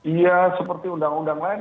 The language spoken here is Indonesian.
iya seperti undang undang lain